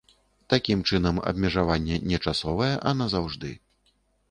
Такім чынам, абмежаванне не часовае, а назаўжды.